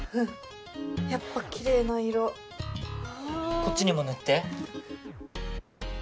こっちにも塗って。